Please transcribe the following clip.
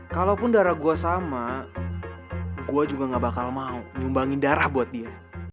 kalaupun darah gue sama gue juga gak bakal mau nyumbangin darah buat dia